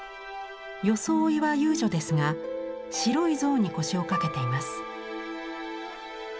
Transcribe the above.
装いは遊女ですが白い象に腰を掛けています。